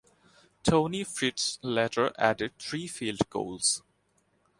Toni Fritsch later added three field goals.